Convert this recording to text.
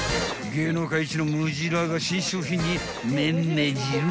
［芸能界一のムジラーが新商品に目んめじろ］